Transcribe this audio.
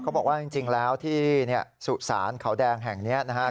เขาบอกว่าจริงจริงแล้วที่เนี่ยสู่ศาลเขาแดงแห่งเนี่ยนะฮะ